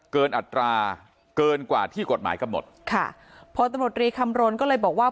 เกินอัตราเกินกว่าที่กฎหมายกำหมดค่ะโพธมดรีคำร้นก็เลยบอกว่า